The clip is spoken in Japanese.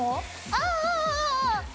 ああ。